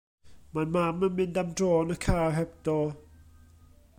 Mae mam yn mynd am dro yn y car heb do.